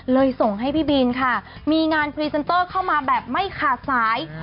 ส่งให้พี่บินค่ะมีงานพรีเซนเตอร์เข้ามาแบบไม่ขาดสาย